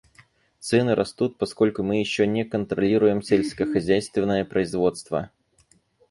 Цены растут, поскольку мы еще не контролируем сельскохозяйственное производство.